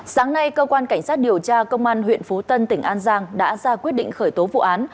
sáng nay cơ quan cảnh sát điều tra công an huyện phú tân tỉnh an giang đã ra quyết định khởi tố vụ án